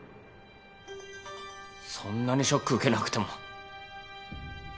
そんなにショック受けなくても。